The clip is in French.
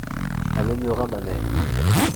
Elle aimera ma mère.